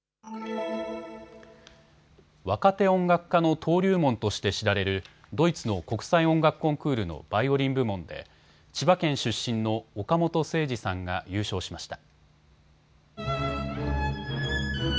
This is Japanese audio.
若手音楽家の登竜門として知られるドイツの国際音楽コンクールのバイオリン部門で千葉県出身の岡本誠司さんが優勝しました。